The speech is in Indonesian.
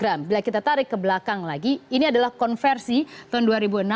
dan bila kita tarik ke belakang lagi ini adalah konversi tahun dua ribu enam